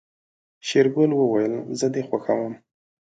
شېرګل وويل زه دې خوښوم.